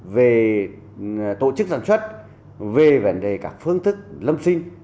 về tổ chức sản xuất về vấn đề các phương thức lâm sinh